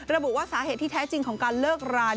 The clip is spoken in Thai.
ระบุว่าสาเหตุที่แท้จริงของการเลิกรา